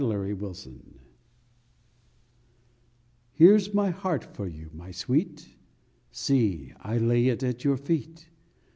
PERSISTENCE HERE S my heart for you, my Sweet. See, I lay it at your feet.